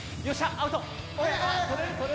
アウト。